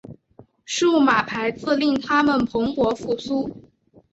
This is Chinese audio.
数码排字令它们蓬勃复苏。